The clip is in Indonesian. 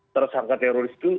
tersangka teroris itu